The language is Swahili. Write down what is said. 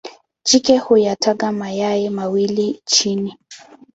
Jike huyataga mayai mawili chini.